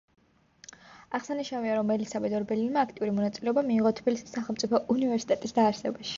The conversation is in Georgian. აღსანიშნავია, რომ ელისაბედ ორბელიანმა აქტიური მონაწილეობა მიიღო თბილისის სახელმწიფო უნივერსიტეტის დაარსებაში.